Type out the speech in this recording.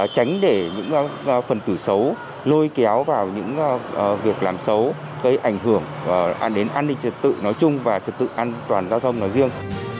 tránh để những phần tử xấu lôi kéo vào những việc làm xấu gây ảnh hưởng đến an ninh trật tự nói chung và trật tự an toàn giao thông nói riêng